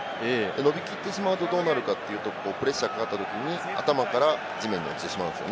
伸びきってしまうとどうなるかっていうと、プレッシャーがかかったときに頭から地面に落ちてしまうんです。